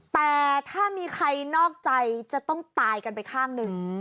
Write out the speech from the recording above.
แต่ถ้ามีใครนอกใจจะต้องตายกันไปข้างหนึ่ง